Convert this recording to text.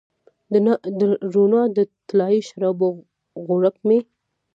د روڼا د طلایې شرابو غوړپ مې